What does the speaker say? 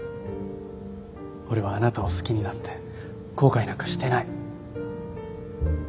俺はあなたを好きになって後悔なんかしてない。